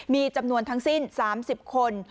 มีจำนวนทั้งสิ้น๓๐คน